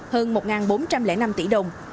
hơn một bốn trăm linh năm tỷ đồng